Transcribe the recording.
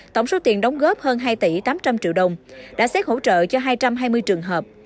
tổng số tiền đóng góp hơn hai tỷ tám trăm linh triệu đồng đã xét hỗ trợ cho hai trăm hai mươi trường hợp